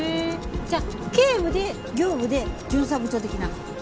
じゃあケイブで刑部で巡査部長的な。